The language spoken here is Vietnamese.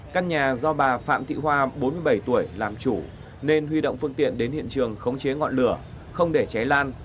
các nhà do bà phạm thị hoa làm chủ nên huy động phương tiện đến hiện trường khống chế ngọn lửa không để cháy lan